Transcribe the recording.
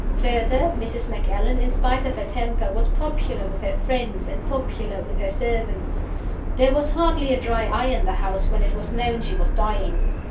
Further, Mrs. Macallan (in spite of her temper) was popular with her friends and popular with her servants. There was hardly a dry eye in the house when it was known she was dying.